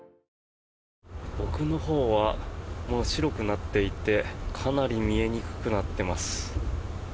奥のほうは白くなっていてかなり見えにくくなっています。